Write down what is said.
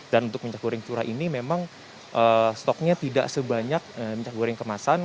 dan untuk minyak goreng curah ini memang stoknya tidak sebanyak minyak goreng kemasan